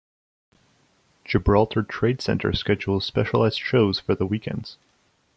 Gibraltar Trade Center schedules specialized shows for the weekends.